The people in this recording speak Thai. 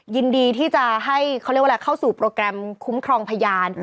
ยินดีที่จะให้เขาเข้าสู่โปรแกรมคุ้มครองพยาน